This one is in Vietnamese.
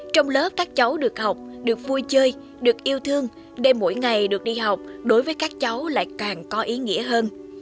trong lớp các cháu được học được vui chơi được yêu thương để mỗi ngày được đi học đối với các cháu lại càng có ý nghĩa hơn